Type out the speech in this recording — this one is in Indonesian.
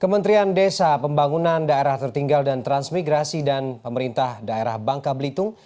kementerian desa pembangunan daerah tertinggal dan transmigrasi dan pemerintah daerah bangka belitung